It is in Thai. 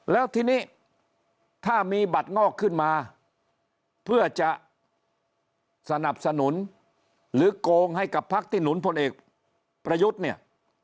แล้วทีนี้ถ้ามีบัตรงอกขึ้นมาเพื่อจะสนับสนุนหรือโกงให้กับพักที่หนุนพลเอกประยุทธ์เนี่ย